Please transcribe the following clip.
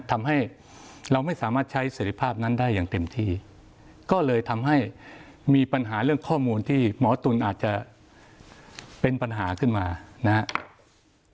ทำให้เราไม่สามารถใช้เสร็จภาพนั้นได้อย่างเต็มที่ก็เลยทำให้มีปัญหาเรื่องข้อมูลที่หมอตุ๋นอาจจะเป็นปัญหาขึ้นมานะครับ